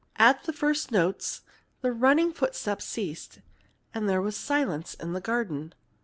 At the first notes the running footsteps ceased, and there was silence in the garden.